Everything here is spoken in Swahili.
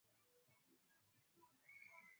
Mtoto wangu anapenda kulia